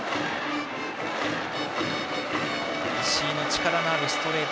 石井の力のあるストレート